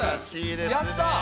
やった！